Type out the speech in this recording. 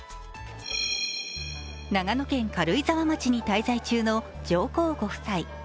長野県軽井沢町に滞在中の上皇ご夫妻。